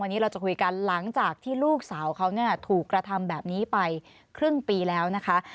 วันนี้เราจะคุยกันหลังจากที่ลูกสาวเขาถูกกระทำแบบนี้ไปครึ่งปีแล้วนะคะ